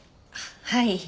はい。